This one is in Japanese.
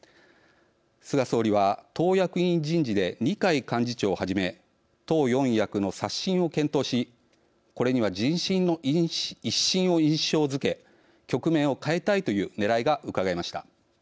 菅総理は党役員人事で二階幹事長をはじめ党四役の刷新を検討しこれには人心の一新を印象づけ局面を変えたいというねらいがうかがえました。